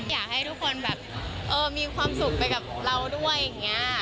อยากให้ทุกคนแบบมีความสุขไปกับเราด้วยอย่างนี้